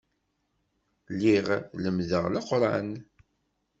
Lliɣ lemmdeɣ Leqran.